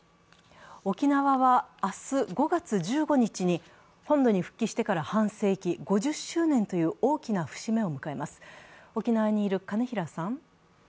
沖縄は明日、５月１５日に本土に復帰してから半世紀＝５０周年という大きな節目を迎えます。